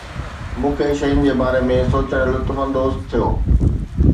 مون کي شين جي باري ۾ سوچڻ لطف اندوز ٿيو